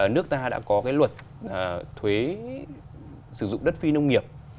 nước ta đã có cái luật thuế sử dụng đất phi nông nghiệp